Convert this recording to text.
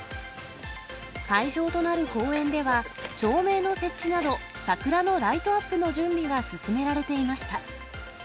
会場となる公園では、照明の設置など、桜のライトアップの準備が進められていました。